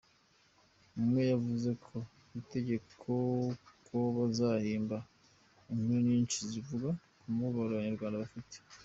Umwe yavuze ko “Mwitege ko bazahimba inkuru nyinshi zivuga ku mubabaro Abanyarwanda bafite.’’